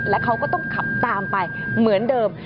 แล้วเขาก็ต้องขับตามไปเหมือนเดิม